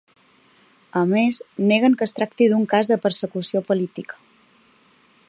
A més, neguen que es tracti d’un cas de ‘persecució política’.